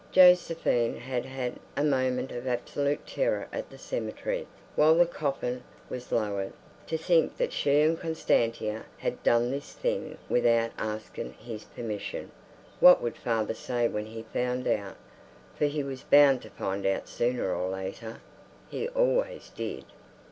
Josephine had had a moment of absolute terror at the cemetery, while the coffin was lowered, to think that she and Constantia had done this thing without asking his permission. What would father say when he found out? For he was bound to find out sooner or later. He always did.